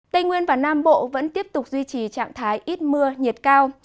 tây nguyên và nam bộ vẫn tiếp tục duy trì trạng thái ít mưa nhiệt cao